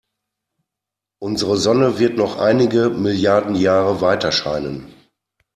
Unsere Sonne wird noch einige Milliarden Jahre weiterscheinen.